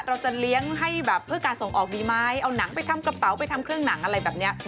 เราจะเลี้ยงให้แบบเพื่อการส่งออกดีไหมเอาหนังไปทำกระเป๋าไปทำเครื่องหนังอะไรแบบนี้